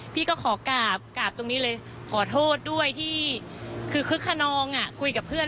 พี่ก็ขอกราบกราบตรงนี้เลยขอโทษด้วยที่คือคึกขนองคุยกับเพื่อน